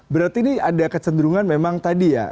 berarti ini ada kecenderungan memang tadi ya